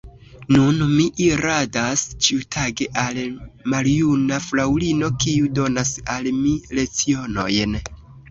Nun mi iradas ĉiutage al maljuna fraŭlino, kiu donas al mi lecionojn.